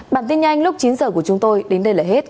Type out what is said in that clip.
bản tin nhanh lúc chín h của chúng tôi đến đây là hết